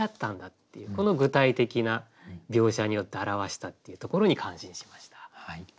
この具体的な描写によって表したっていうところに感心しました。